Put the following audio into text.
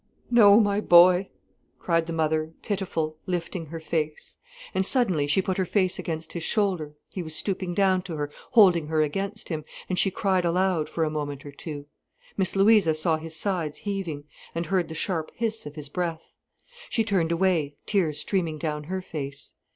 "No, my boy!" cried the mother, pitiful, lifting her face. And suddenly she put her face against his shoulder, he was stooping down to her, holding her against him, and she cried aloud for a moment or two. Miss Louisa saw his sides heaving, and heard the sharp hiss of his breath. She turned away, tears streaming down her face.